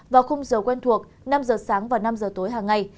vào khung giờ quen thuộc năm h sáng và năm h tối hàng ngày